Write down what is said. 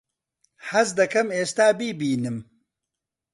حەز دەکەم ئێستا بیبینم.